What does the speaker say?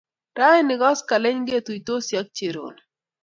Raini koskoling' ketuitosi ak Cherono